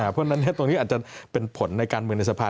เพราะฉะนั้นตรงนี้อาจจะเป็นผลในการเมืองในสภา